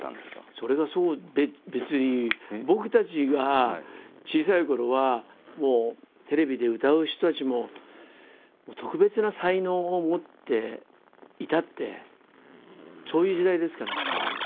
それがそう別に僕たちが小さいころはもうテレビで歌う人たちも特別な才能を持っていたってそういう時代ですから。